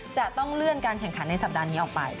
จะต้องเลื่อนการแข่งขันในสัปดาห์นี้ออกไป